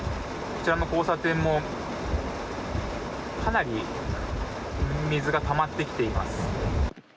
こちらの交差点もかなり水がたまってきています。